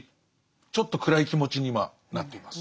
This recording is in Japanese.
ちょっと暗い気持ちに今なっています。